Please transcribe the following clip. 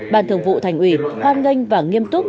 ban thường vụ thành ủy hoan nghênh và nghiêm túc